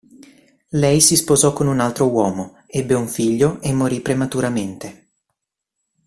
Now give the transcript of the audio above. Lei si sposò con un altro uomo, ebbe un figlio e morì prematuramente.